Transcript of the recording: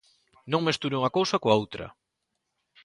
Non mesture unha cousa coa outra.